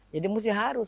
jadi mesti harus